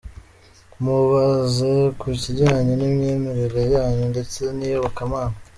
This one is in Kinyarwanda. Mubaze ku kijyanye n’imyemerere yanyu ndetse n’iyobokamana.